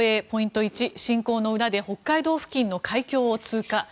ポイント１、侵攻の裏で北海道付近の海峡を通過。